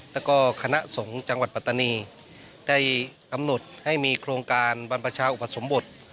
แล้วก็คณะสงฆ์จังหวัดปัตตานีได้กำหนดให้มีโครงการบรรพชาอุปสมบท